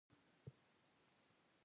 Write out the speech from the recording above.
هند اقتصادي اصلاحات راوستل.